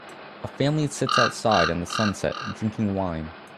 A family sits outside in the sunset drinking wine